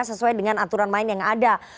sesuai dengan aturan main yang ada